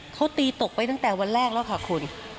เขาตีตกไปตั้งแต่วันแรกแล้วค่ะคุณ